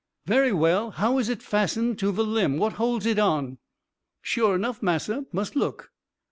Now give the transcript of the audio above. very well how is it fastened to the limb? what holds it on?" "Sure nuff, massa; mus look.